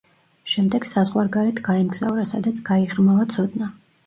შემდეგ საზღვარგარეთ გაემგზავრა, სადაც გაიღრმავა ცოდნა.